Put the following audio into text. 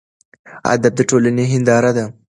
ادب د ټولنې هینداره ده.